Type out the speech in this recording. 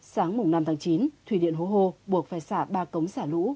sáng mùng năm tháng chín thủy điện hồ hồ buộc phải xả ba cống xả lũ